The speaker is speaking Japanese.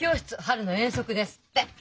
春の遠足ですって。